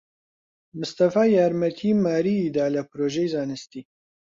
مستەفا یارمەتیی ماریی دا لە پرۆژەی زانستی.